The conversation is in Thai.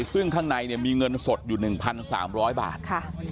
ซึ่งข้างในมีเงินสดอยู่๑๓๐๐บาท